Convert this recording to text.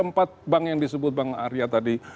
empat bank yang disebut bang arya tadi